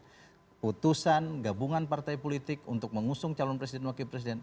keputusan gabungan partai politik untuk mengusung calon presiden wakil presiden